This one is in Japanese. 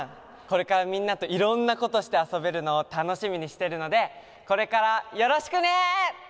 これからみんなといろんなことしてあそべるのをたのしみにしてるのでこれからよろしくね！